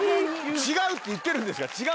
違うって言ってるんですから。